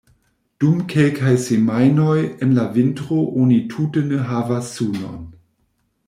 Dum kelkaj semajnoj en la vintro oni tute ne havas sunon.